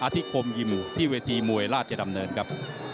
ที่คมยิมที่เวทีมวยราชดำเนินครับ